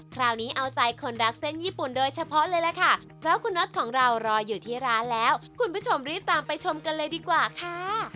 คราวนี้เอาใจคนรักเส้นญี่ปุ่นโดยเฉพาะเลยล่ะค่ะเพราะคุณน็อตของเรารออยู่ที่ร้านแล้วคุณผู้ชมรีบตามไปชมกันเลยดีกว่าค่ะ